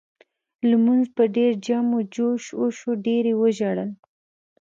لمونځ په ډېر جم و جوش وشو ډېر یې وژړل.